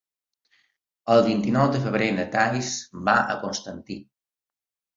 El vint-i-nou de febrer na Thaís va a Constantí.